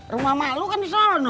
rumah mak lo kan di sana